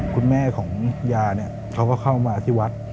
คุณแม่ของยาเนี่ยเขาก็เข้ามาที่วัด